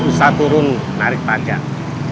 kamu gak usah turun narik panjang